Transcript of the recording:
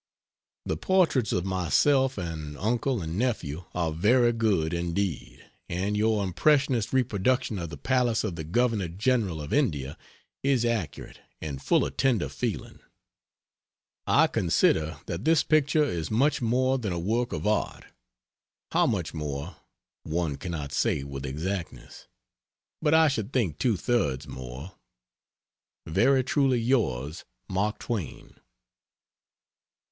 The portraits of myself and uncle and nephew are very good indeed, and your impressionist reproduction of the palace of the Governor General of India is accurate and full of tender feeling. I consider that this picture is much more than a work of art. How much more, one cannot say with exactness, but I should think two thirds more. Very truly yours MARK TWAIN.